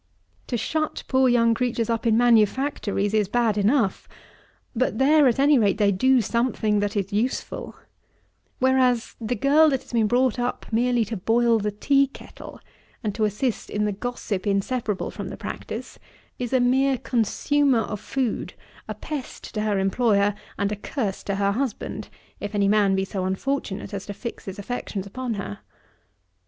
To shut poor young creatures up in manufactories is bad enough; but there, at any rate, they do something that is useful; whereas, the girl that has been brought up merely to boil the tea kettle, and to assist in the gossip inseparable from the practice, is a mere consumer of food, a pest to her employer, and a curse to her husband, if any man be so unfortunate as to fix his affections upon her.